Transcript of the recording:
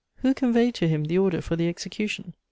Who conveyed to him the order for the execution?